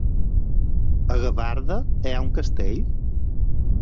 A Gavarda hi ha un castell?